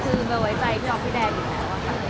คือเบลไว้ใจพี่อ๊อฟพี่แดนอยู่แล้วค่ะ